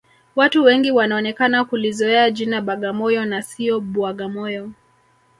Watu wengi wanaonekana kulizoea jina bagamoyo na sio bwagamoyo